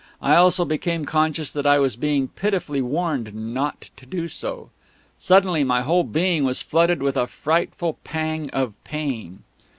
I also became conscious that I was being pitifully warned not to do so... Suddenly my whole being was flooded with a frightful pang of pain.